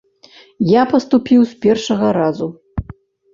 Я паступіў з першага разу.